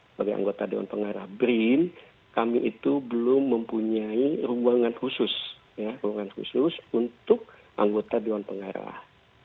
sebagai anggota dewan pengarah brin kami itu belum mempunyai ruangan khusus ruangan khusus untuk anggota dewan pengarah